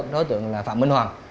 đối tượng là phạm minh hoàng